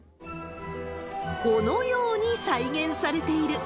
このように再現されている。